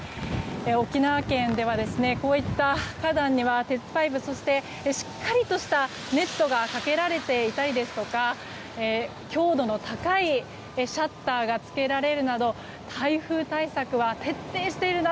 沖縄県ではこうした花壇には鉄パイプそして、しっかりとしたネットがかけられていたりとか強度の高いシャッターがつけられるなど台風対策は徹底しているな